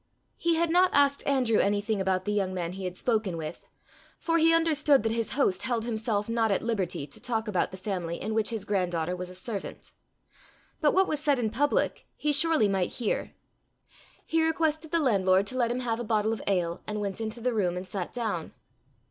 He had not asked Andrew anything about the young man he had spoken with; for he understood that his host held himself not at liberty to talk about the family in which his granddaughter was a servant. But what was said in public he surely might hear! He requested the landlord to let him have a bottle of ale, and went into the room and sat down.